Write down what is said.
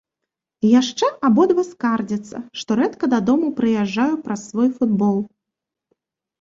Яшчэ абодва скардзяцца, што рэдка дадому прыязджаю праз свой футбол.